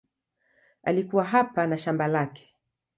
Alikuwa hapa na shamba lake.